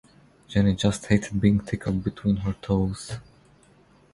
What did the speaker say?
Jenny just hated being tickled between her toes.